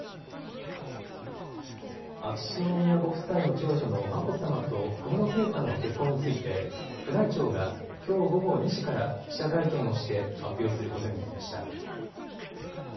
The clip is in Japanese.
秋篠宮ご夫妻の長女の眞子さまと小室圭さんの結婚について宮内庁がきょう午後２時から記者会見をして発表することになりました。